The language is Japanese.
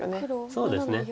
そうですね。